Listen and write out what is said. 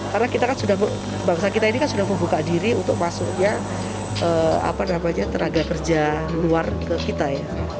karena kita kan sudah bangsa kita ini kan sudah membuka diri untuk masuknya tenaga kerja luar ke kita ya